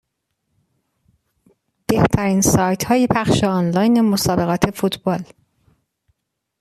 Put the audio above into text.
بهترین سایتهای پخش آنلاین مسایقات فوتبال